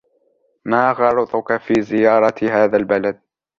? ما غرضك في زيارة هذا البلد